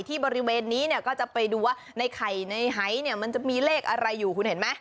บริเวณนี้เนี่ยก็จะไปดูว่าในไข่ในไฮเนี่ยมันจะมีเลขอะไรอยู่คุณเห็นไหม